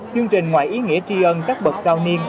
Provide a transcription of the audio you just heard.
chương trình ngoài ý nghĩa tri ân các bậc cao niên